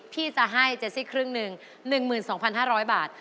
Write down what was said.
พี่จะให้เจสซี่ครึ่งหนึ่ง๑๒๕๐๐บาท